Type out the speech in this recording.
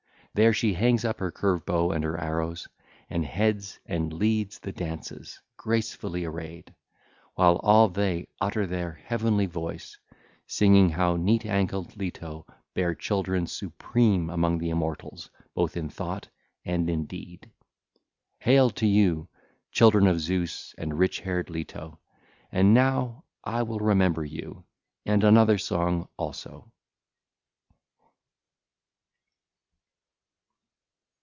There she hangs up her curved bow and her arrows, and heads and leads the dances, gracefully arrayed, while all they utter their heavenly voice, singing how neat ankled Leto bare children supreme among the immortals both in thought and in deed. (ll. 21 22) Hail to you, children of Zeus and rich haired Leto! And now I will remember you and another song also.